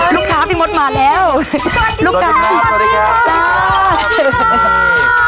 ลูกค้าพี่มดมาแล้วลูกค้าสวัสดีครับสวัสดีครับสวัสดีครับ